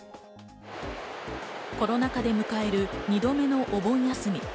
コロナ禍で迎える２度目のお盆休み。